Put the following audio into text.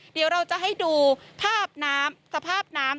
เดี๋ยวเราจะให้ดูสภาพน้ำ